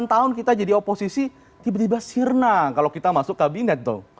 delapan tahun kita jadi oposisi tiba tiba sirna kalau kita masuk kabinet tuh